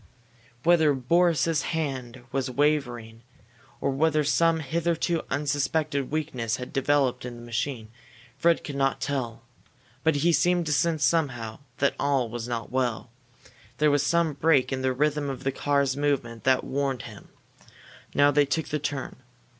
Whether Boris's hand was wavering or whether some hitherto unsuspected weakness had developed in the machine, Fred could not tell. But he seemed to sense somehow that all was not well. There was some break in the rhythm of the car's movement that warned him. Now they took the turn.